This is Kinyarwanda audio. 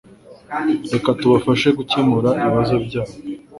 Reka tubafashe gukemura ibibazo byabo.